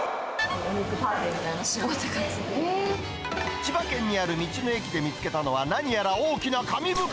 千葉県にある道の駅で見つけたのは、何やら大きな紙袋。